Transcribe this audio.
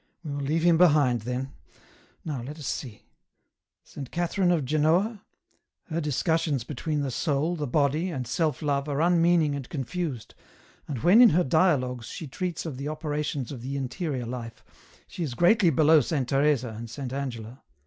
" We will leave him behind, then. Now let us see. Saint Catherine of Genoa ? Her discussions between the soul, the body, and self love are unmeaning and confused, and when in her ' Dialogues,' she treats of the operations of the interior life, she is greatly below Saint Teresa and Saint Angela.